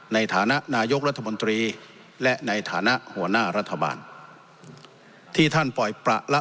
ในฐานะนายกรัฐมนตรีและในฐานะหัวหน้ารัฐบาลที่ท่านปล่อยประละ